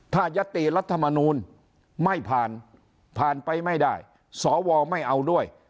ถ้ายัตติรัฐมนูลไม่ผ่านผ่านไปไม่ได้สวไม่เอาด้วย